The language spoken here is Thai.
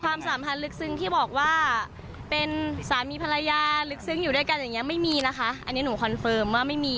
ความสัมพันธ์ลึกซึ้งที่บอกว่าเป็นสามีภรรยาลึกซึ้งอยู่ด้วยกันอย่างเงี้ไม่มีนะคะอันนี้หนูคอนเฟิร์มว่าไม่มี